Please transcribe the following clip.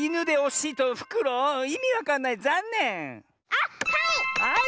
あっはい！